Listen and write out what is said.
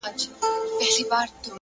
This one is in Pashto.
لوړ فکر لوی بدلونونه زېږوي!.